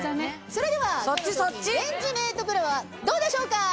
それではレンジメートプロはどうでしょうか？